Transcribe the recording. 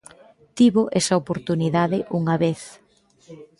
Tivo esa oportunidade unha vez.